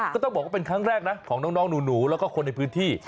ก็ต้องบอกว่าเป็นครั้งแรกนะของน้องหนูแล้วก็คนในพื้นที่